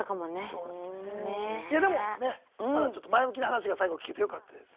いやでもねまだ前向きな話が最後聞けてよかったです。